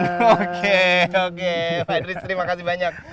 oke oke pak idris terima kasih banyak